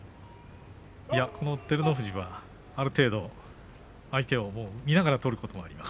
この照ノ富士はある程度相手を見ながら取ることもあります。